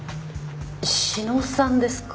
志野さんですか？